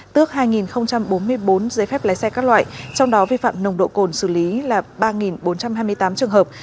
tước hai bốn mươi bốn giấy phép lái xe các loại trong đó vi phạm nồng độ cồn xử lý là ba bốn trăm hai mươi tám trường hợp